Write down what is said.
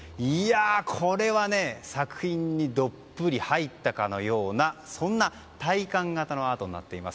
これは作品にどっぷり入ったかのようなそんな体感型のアートになっています。